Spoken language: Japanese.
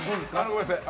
ごめんなさい。